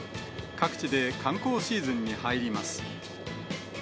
各地で観光シーズンに入ります。